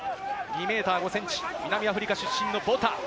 ２ｍ５ｃｍ、南アフリカ出身のボタ。